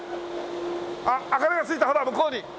あっ明かりがついたほら向こうに！